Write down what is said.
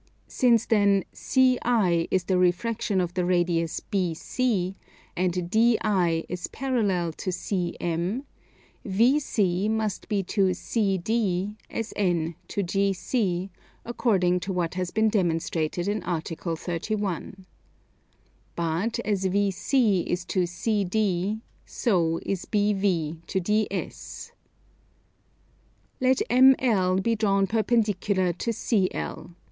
Since then CI is the refraction of the radius BC, and DI is parallel to CM, VC must be to CD as N to GC, according to what has been demonstrated in Article 31. But as VC is to CD so is BV to DS. Let ML be drawn perpendicular to CL.